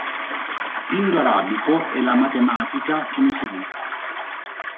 Indo-Arabico e la matematica che ne seguì.